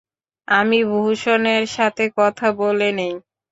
আমি ভূষণের সাথে কথা বলে নিই।